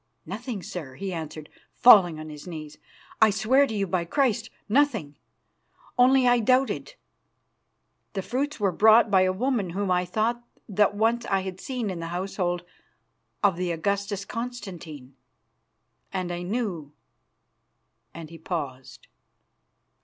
"Nothing, sir," he answered, falling on his knees. "I swear to you by Christ, nothing. Only I doubted. The fruits were brought by a woman whom I thought that once I had seen in the household of the Augustus Constantine, and I knew " and he paused.